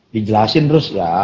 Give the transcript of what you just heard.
dijelasin terus ya